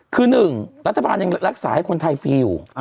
คือ๑รัฐบาลยังรักษาให้คนไทยฟรีอยู่